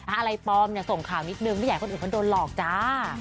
อะไรปลอมเนี่ยส่งข่าวนิดนึงไม่อยากให้คนอื่นเขาโดนหลอกจ้า